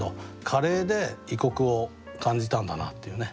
カレーで異国を感じたんだなっていうね。